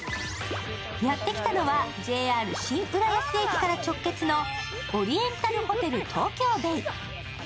やってきたのはＪＲ新浦安駅から直結のオリエンタルホテル東京ベイ。